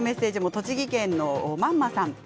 栃木県の方からです。